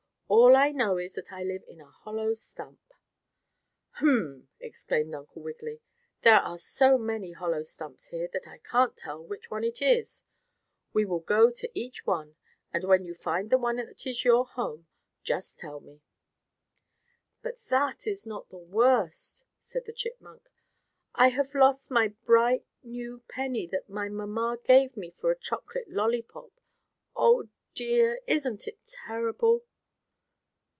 All that I know is that I live in a hollow stump." "Hum!" exclaimed Uncle Wiggily. "There are so many hollow stumps here, that I can't tell which one it is. We will go to each one, and when you find the one that is your home, just tell me." "But that is not the worst," said the chipmunk. "I have lost my bright, new penny that my mamma gave me for a chocolate lollypop. Oh dear. Isn't it terrible."